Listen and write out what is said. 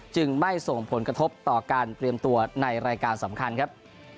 จึงไม่ส่งผลกระทบต่อการเตรียมตัวในรายการสำคัญครับ